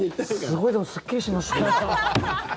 すごい、でもすっきりしました。